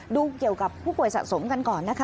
ดูเกี่ยวกับผู้ป่วยสะสมกันก่อนนะคะ